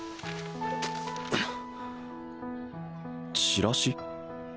チラシ？